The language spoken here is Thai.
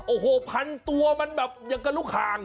โอ้โหพันตัวมันแบบอย่างกับลูกหาง